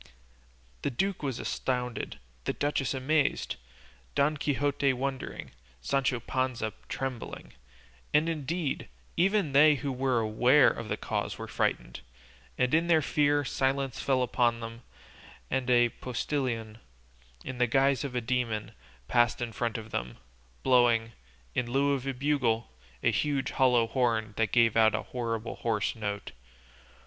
The duke was astounded, the duchess amazed, Don Quixote wondering, Sancho Panza trembling, and indeed, even they who were aware of the cause were frightened. In their fear, silence fell upon them, and a postillion, in the guise of a demon, passed in front of them, blowing, in lieu of a bugle, a huge hollow horn that gave out a horrible hoarse note.